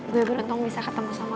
gue beruntung bisa ketemu sama lo sam